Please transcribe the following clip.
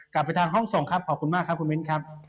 กลับไปทางห้องส่งครับขอบคุณมากครับคุณมิ้นครับ